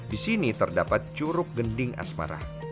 di sini terdapat curug gending asmara